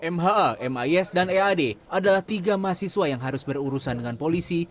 mha mis dan ead adalah tiga mahasiswa yang harus berurusan dengan polisi